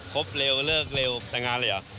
บเร็วเลิกเร็วแต่งงานเลยเหรอ